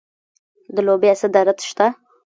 د لوبیا صادرات شته.